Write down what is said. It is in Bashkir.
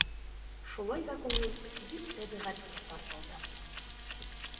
Шулай ҙа күңел гел тәбиғәткә тартылды.